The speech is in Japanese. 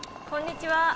こんにちは！